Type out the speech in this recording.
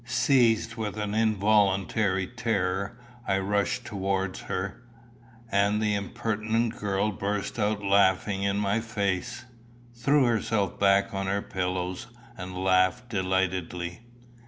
Seized with an involuntary terror, I rushed towards her, and the impertinent girl burst out laughing in my face threw herself back on her pillows, and laughed delightedly.